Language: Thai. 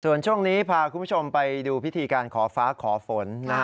ส่วนช่วงนี้พาคุณผู้ชมไปดูพิธีการขอฟ้าขอฝน